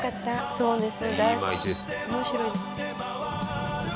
「そうです」